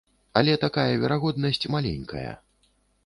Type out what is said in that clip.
Але такая верагоднасць маленькая.